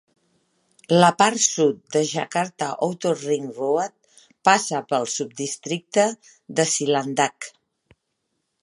La part sud del Jakarta Outer Ring Road passa pel subdistricte de Cilandak.